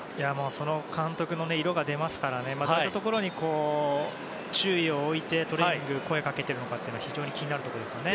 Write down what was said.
その監督の色が出ますからどういうところに注意を置いてトレーニング声をかけているのかが非常に気になるところですよね。